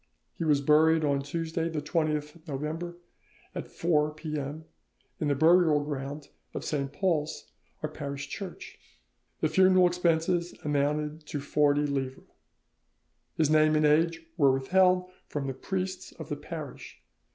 He was buried on Tuesday the 20th November at 4 P.M. in the burial ground of St. Paul's, our parish church. The funeral expenses amounted to 40 livres." His name and age were withheld from the priests of the parish.